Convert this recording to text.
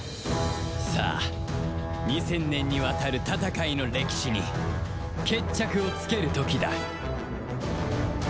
さあ２０００年にわたる戦いの歴史に決着をつける時だ